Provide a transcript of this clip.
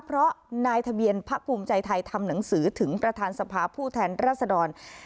เพราะนายทะเบียนพักภูมิใจไทยทำหนังสือถึงประธานสภาผู้แทนรัศดร